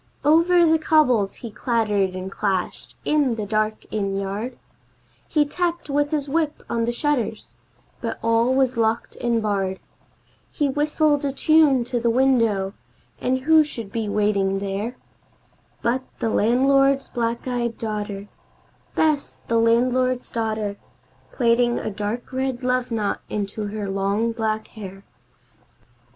Over the cobbles he clattered and clashed in the dark inn yard, He tapped with his whip on the shutters, but all was locked and barred, He whistled a tune to the window, and who should be waiting there But the landlord's black eyed daughter Bess, the landlord's daughter Plaiting a dark red love knot into her long black hair.